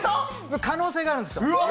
可能性があるんですよ。